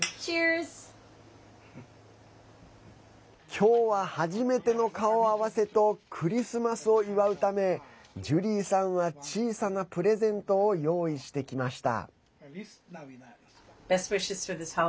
今日は初めての顔合わせとクリスマスを祝うためジュリーさんは小さなプレゼントを用意してきました。